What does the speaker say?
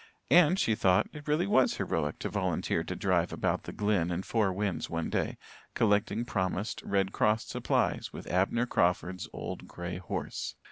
And, she thought, it really was heroic to volunteer to drive about the Glen and Four Winds one day, collecting promised Red Cross supplies with Abner Crawford's old grey horse.